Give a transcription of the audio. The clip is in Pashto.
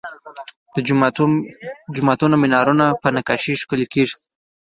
د جوماتونو مینارونه په نقاشۍ ښکلي کیږي.